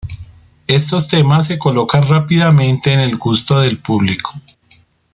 Estos temas se colocan rápidamente en el gusto del público.